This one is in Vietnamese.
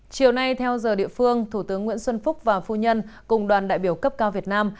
chiều nay theo giờ địa phương thủ tướng nguyễn xuân phúc và phu nhân cùng đoàn đại biểu cấp cao việt nam